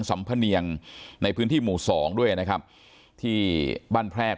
สำพะเนียงในพื้นที่หมู่สองด้วยนะครับที่บ้านแพรก